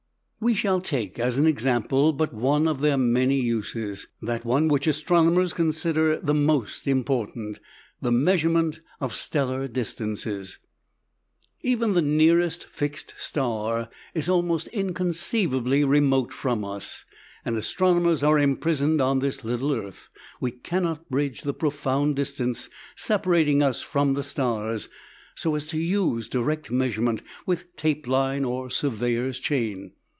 We shall take as an example but one of their many uses that one which astronomers consider the most important the measurement of stellar distances. (See also p. 94.) Even the nearest fixed star is almost inconceivably remote from us. And astronomers are imprisoned on this little earth; we cannot bridge the profound distance separating us from the stars, so as to use direct measurement with tape line or surveyor's chain.